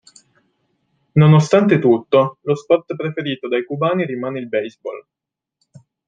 Nonostante tutto, lo sport preferito dai cubani rimane il baseball.